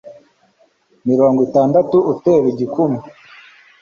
mirongwitandatu utera igikumwe